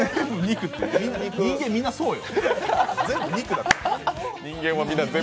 人間みんなそうよ。